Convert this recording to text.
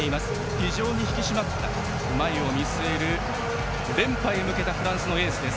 非常に引き締まった前を見据える連覇へ向けたフランスのエースです。